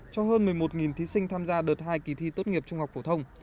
cho hơn một mươi một thí sinh tham gia đợt hai kỳ thi tốt nghiệp trung học phổ thông